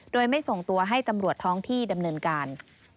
โดยไม่ส่งตัวให้ตำรวจท้องที่ดำเนินการ